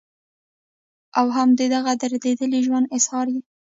او هم د دغه درديدلي ژوند اظهار ئې